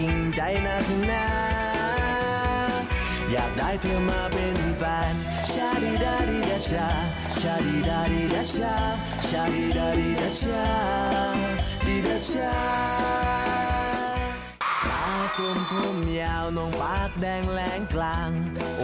มากลุ่มยาวน้องพักแดงแรงกลาง